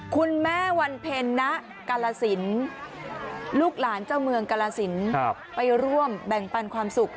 คุณแม่วันเพ็ญณกาลสินลูกหลานเจ้าเมืองกาลสินไปร่วมแบ่งปันความสุข